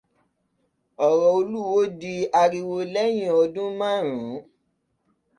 Ọ̀rọ̀ olúwo di ariwo lẹ́yìn ọdún márùn-ún.